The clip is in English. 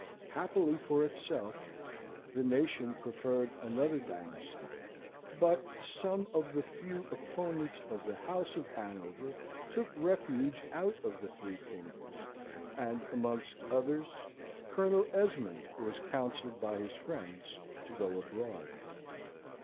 Happily for itself, the nation preferred another dynasty; but some of the few opponents of the house of Hanover took refuge out of the three kingdoms, and amongst others, Colonel Esmond was counselled by his friends to go abroad.